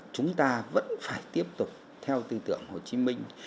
chúng ta vẫn phải tiếp tục theo tư tưởng hồ chí minh